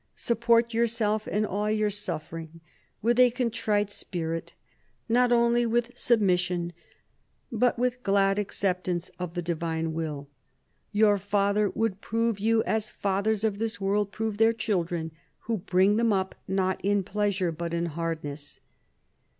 Support yourself in all your suffering with a contrite spirit, not only with submission but with glad acceptance of the Divine Will. Your Father would prove you as fathers of this world prove their children, who bring them up not in pleasures but in hardness."